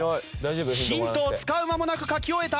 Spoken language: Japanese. ヒントを使う間もなく書き終えた！